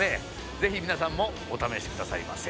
ぜひ皆さんもお試し下さいませ。